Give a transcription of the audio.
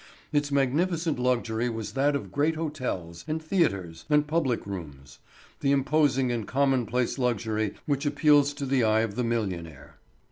Its magnificent luxury was that of great hotels, and theatres, and public rooms; the imposing and commonplace luxury which appeals to the eye of the millionaire.